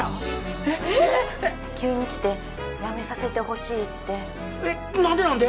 急に来て「辞めさせてほしい」ってえっ何で何で？